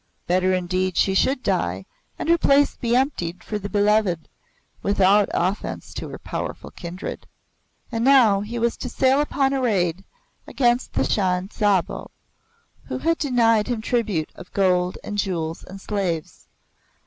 Better indeed she should die and her place be emptied for the beloved, without offence to her powerful kindred. And now he was to sail upon a raid against the Shan Tsaubwa, who had denied him tribute of gold and jewels and slaves.